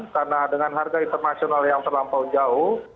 karena dengan harga internasional yang terlampau jauh